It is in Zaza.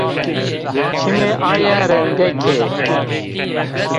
Çimê aye rindek ê